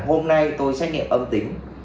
hôm nay tôi xét nghiệm âm tính